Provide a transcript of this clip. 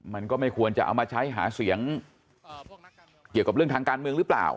มันก็ไม่ควรจะเอามาใช้หาเสียงเกี่ยวกับเรื่องทางการเมืองหรือเปล่า